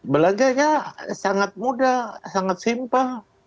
belanjanya sangat mudah sangat simpel